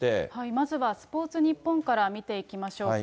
まずはスポーツニッポンから見ていきましょうか。